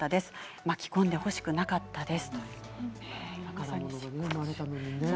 巻き込んでほしくなかったです。